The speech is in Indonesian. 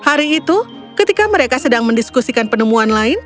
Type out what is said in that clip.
di hari itu ketika mereka sedang menghadap ke followers lain